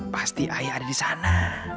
pasti ayah ada di sana